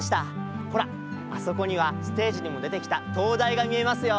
ほらあそこにはステージにもでてきた灯台がみえますよ！